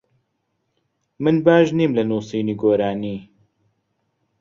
من باش نیم لە نووسینی گۆرانی.